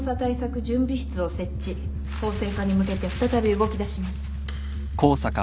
法制化に向けて再び動きだします。